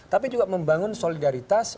tapi juga membangun solidaritas